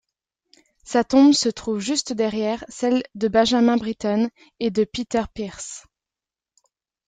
Sa tombe se trouve juste derrière celles de Benjamin Britten et de Peter Pears.